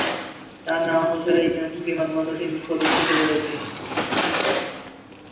তার নামানুসারেই এই বিমানবন্দরটি প্রতিষ্ঠিত হয়েছে।